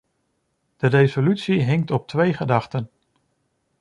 De resolutie hinkt op twee gedachten.